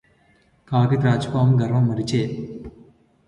కాకి త్రాచుపాము గర్వ మడచె